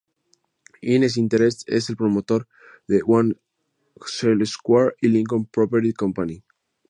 Hines Interest es el promotor de One Shell Square y Lincoln Property Company.